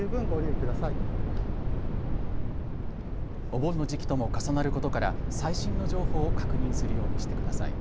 お盆の時期とも重なることから最新の情報を確認するようにしてください。